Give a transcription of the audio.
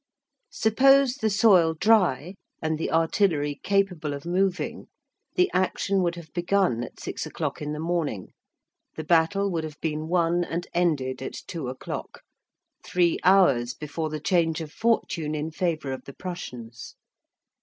Suppose the soil dry, and the artillery capable of moving, the action would have begun at six o'clock in the morning. The battle would have been won and ended at two o'clock, three hours before the change of fortune in favor of the Prussians.